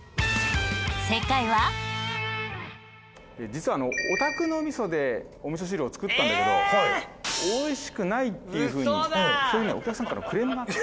実は「お宅のみそでおみそ汁を作ったんだけど美味しくない」っていう風にそういう風にお客様からクレームがあって。